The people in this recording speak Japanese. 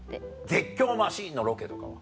絶叫マシンのロケとかは？